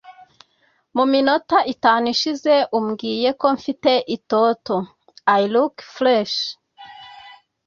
Mu minota itanu ishize umbwiye ko mfite itoto (I look fresh)